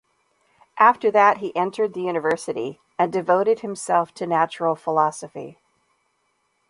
After that he entered the University, and devoted himself to natural philosophy.